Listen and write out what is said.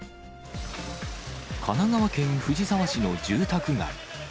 神奈川県藤沢市の住宅街。